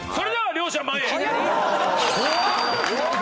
両者前へ。